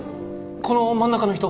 この真ん中の人。